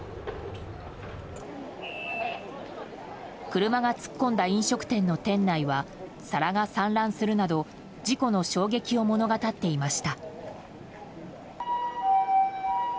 車が突っ込んだ飲食店の店内は皿が散乱するなど事故の衝撃を物語っていました。